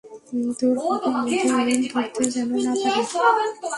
তোর কাকু আমাদের ধরতে যেন না পারে।